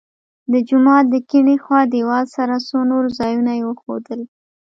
د جومات د کیڼې خوا دیوال سره څو نور ځایونه یې وښودل.